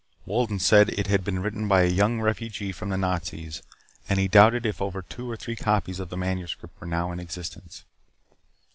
Wolden said it had been written by a young refugee from the Nazis, and he doubted if over two or three copies of the manuscript were now in existence.